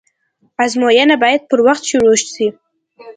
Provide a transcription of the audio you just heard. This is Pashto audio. آزموينه بايد پر وخت شروع سي.